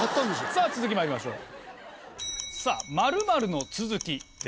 さぁ続きまいりましょう。